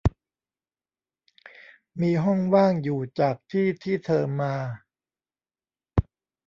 มีห้องว่างอยู่จากที่ที่เธอมา